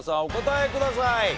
お答えください。